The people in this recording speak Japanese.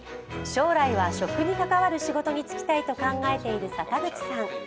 将来は食に関わる仕事に就きたいと考えている坂口さん。